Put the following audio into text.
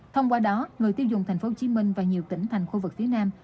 thông qua đó người tiêu dùng tp hcm và nhiều tỉnh thành khu vực phía nam